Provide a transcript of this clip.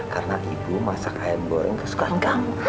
karena ibu masak ayam goreng kesukaan kamu